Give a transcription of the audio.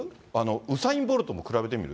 ウサイン・ボルトも比べてみる？